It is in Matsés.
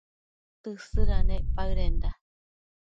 Tësëdanec paëdenda